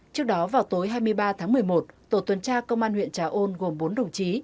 trước đó vào tối hai mươi ba tháng một mươi một tổ tuần tra công an huyện trà ôn gồm bốn đồng chí